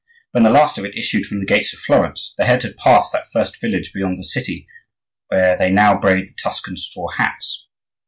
When the last of it issued from the gates of Florence the head had passed that first village beyond the city where they now braid the Tuscan straw hats.